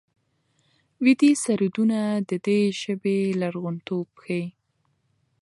ویدي سرودونه د دې ژبې لرغونتوب ښيي.